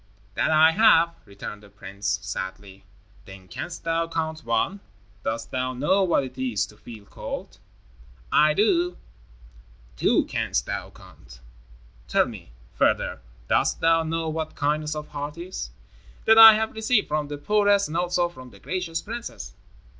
"That I have," returned the prince, sadly. "Then canst thou count One. Dost thou know what it is to feel cold?" "I do." "Two canst thou count. Tell me, further, dost thou know what kindness of heart is?" "That have I received from the poorest and also from the gracious princess."